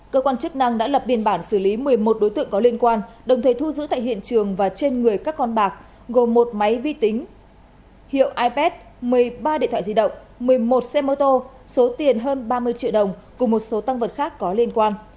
cơ quan chức năng đã lập biên bản xử lý một mươi một đối tượng có liên quan đồng thời thu giữ tại hiện trường và trên người các con bạc gồm một máy vi tính hiệu ip một mươi ba điện thoại di động một mươi một xe mô tô số tiền hơn ba mươi triệu đồng cùng một số tăng vật khác có liên quan